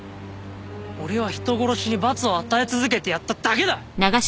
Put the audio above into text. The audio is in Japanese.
俺は人殺しに罰を与え続けてやっただけだ！